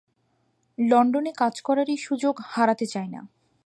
লণ্ডনে কাজ করার এই সুযোগ হারাতে চাই না।